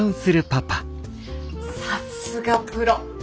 さすがプロ！